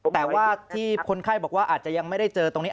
แต่ว่าที่คนไข้บอกว่าอาจจะยังไม่ได้เจอตรงนี้